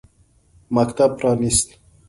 مکتب پرانیست.